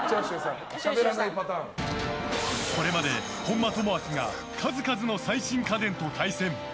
これまで、本間朋晃が数々の最新家電と対戦。